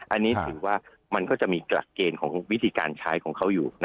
อันนี้ถือว่ามันก็จะมีหลักเกณฑ์ของวิธีการใช้ของเขาอยู่